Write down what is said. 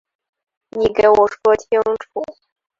你给我说清楚